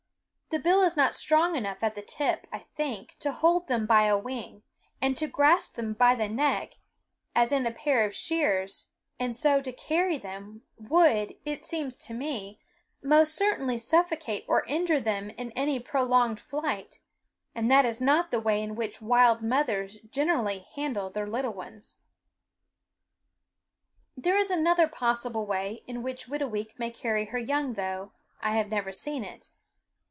The bill is not strong enough at the tip, I think, to hold them by a wing; and to grasp them by the neck, as in a pair of shears, and so to carry them, would, it seems to me, most certainly suffocate or injure them in any prolonged flight; and that is not the way in which wild mothers generally handle their little ones. There is another possible way in which Whitooweek may carry her young, though I have never seen it.